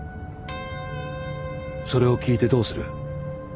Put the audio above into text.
それを聞いてどうする？